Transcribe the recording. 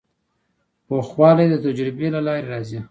پوخوالی د تجربې له لارې راځي.